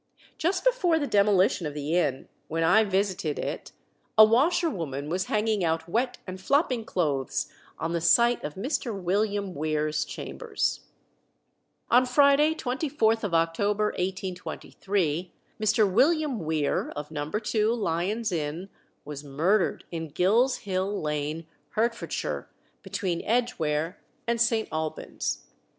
Just before the demolition of the inn, when I visited it, a washerwoman was hanging out wet and flopping clothes on the site of Mr. William Weare's chambers. On Friday, 24th of October 1823, Mr. William Weare, of No. 2 Lyon's Inn, was murdered in Gill's Hill Lane, Hertfordshire, between Edgware and St. Alban's.